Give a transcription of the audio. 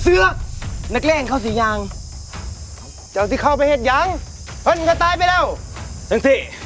พวกตัวเอาเสียงด่างอยู่หนิ